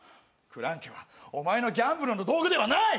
クランケはお前のギャンブルの道具ではない！